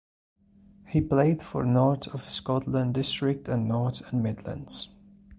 He played for North of Scotland District and North and Midlands.